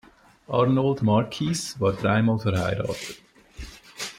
Arnold Marquis war dreimal verheiratet.